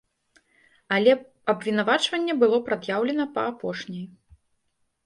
Але абвінавачванне было прад'яўлена па апошняй.